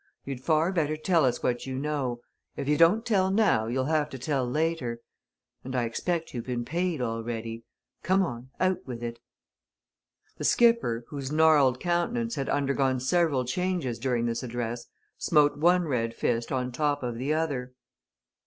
You'd far better tell us what you know. If you don't tell now, you'll have to tell later. And I expect you've been paid already. Come on out with it!" The skipper, whose gnarled countenance had undergone several changes during this address, smote one red fist on top of the other.